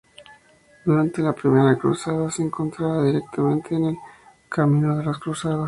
Durante la Primera Cruzada se encontraba directamente en el camino de los cruzados.